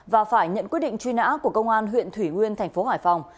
và phải nhận quyết định truy nã của công an huyện thủy nguyên tp hải phòng